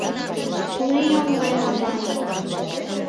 Ну и оҥай малай...»